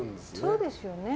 そうですよね。